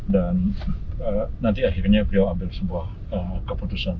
dan nanti akhirnya beliau ambil sebuah keputusan